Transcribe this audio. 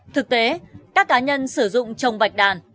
thực tế các cá nhân sử dụng trồng bạch đàn